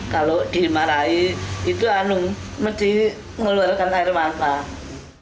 kalau dimarahi itu anu mesti ngeluarkan air mata